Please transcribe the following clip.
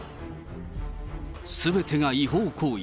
すべてが違法行為。